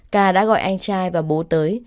k đã gọi anh trai và bố tới